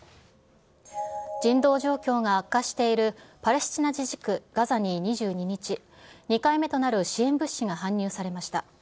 人道状況が悪化しているパレスチナ自治区ガザに２２日、２回目となる支援物資が搬入されました。